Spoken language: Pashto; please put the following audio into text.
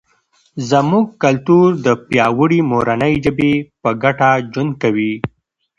زموږ کلتور د پیاوړي مورنۍ ژبې په ګډه ژوند کوي.